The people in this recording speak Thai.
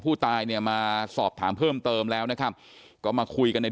ผู้ตายเนี่ยมาสอบถามเพิ่มเติมแล้วนะครับก็มาคุยกันใน